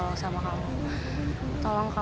itu yang namanya menang ya